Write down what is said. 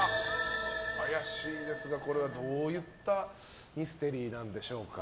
これはどういったミステリーなんでしょうか。